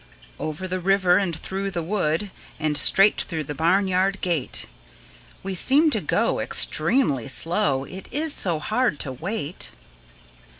Over the river, and through the wood, And straight through the barn yard gate; We seem to go Extremely slow, It is so hard to wait.